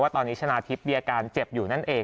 ตอนนี้ชนะทิพย์มีอาการเจ็บอยู่นั่นเอง